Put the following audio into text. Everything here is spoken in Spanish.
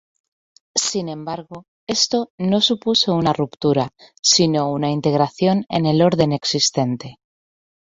Sin embargo, esto no supuso una ruptura, sino una integración en el orden existente.